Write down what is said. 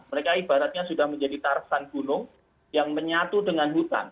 mereka ibaratnya sudah menjadi tarasan gunung yang menyatu dengan hutan